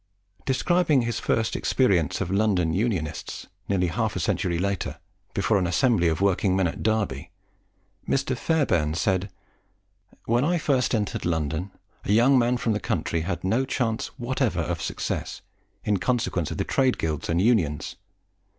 Describing his first experience of London Unionists, nearly half a century later, before an assembly of working men at Derby, Mr. Fairbairn said, "When I first entered London, a young man from the country had no chance whatever of success, in consequence of the trade guilds and unions.